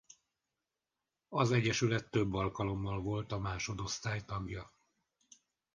Az egyesület több alkalommal volt a másodosztály tagja.